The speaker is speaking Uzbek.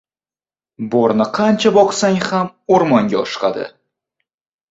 • Bo‘rini qancha boqsang ham o‘rmonga oshiqadi.